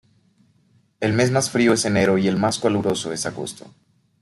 El mes más frío es enero y el más caluroso es agosto.